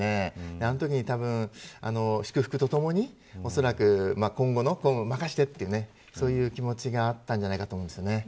あのときに、たぶん祝福とともにおそらく、今後のまかせてというそういう気持ちがあったんじゃないかと思います。